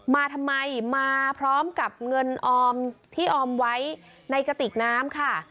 มาทำไมมาพร้อมกับเงินออมที่ออมไว้ในกระติกน้ำค่ะ